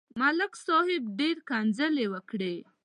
ملک صاحب ډېره کنځلې وکړې.